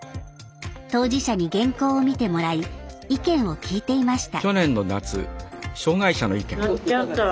当事者に原稿を見てもらい意見を聞いていました。